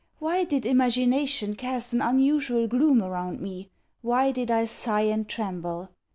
Why did imagination cast an unusual gloom around me? Why did I sigh and tremble?